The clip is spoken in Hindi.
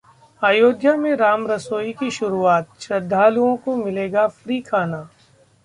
अयोध्या में राम रसोई की शुरुआत, श्रद्धालुओं को मिलेगा फ्री खाना